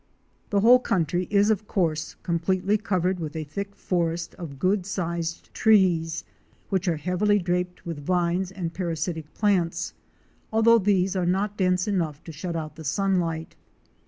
The whole country is, of course, completely covered with a thick forest, of good A GOLD MINE IN THE WILDERNESS. 185 sized trees, which are heavily draped with vines and parasitic plants, although these are not dense enough to shut out the sunlight.